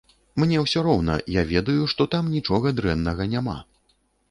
Мне ўсё роўна, я ведаю, што там нічога дрэннага няма.